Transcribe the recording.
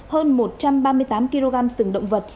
hơn một trăm ba mươi tám kg sừng động vật